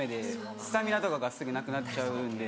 スタミナとかがすぐなくなっちゃうんで。